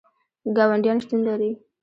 ګاونډیان شتون لري